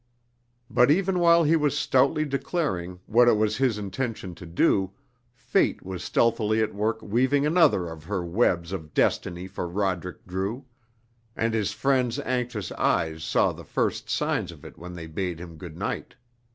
But even while he was stoutly declaring what it was his intention to do, fate was stealthily at work weaving another of her webs of destiny for Roderick Drew, and his friends' anxious eyes saw the first signs of it when they bade him good night.